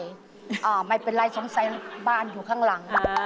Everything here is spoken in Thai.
อ่าไม่เป็นไรสงสัยบ้านอยู่ข้างหลัง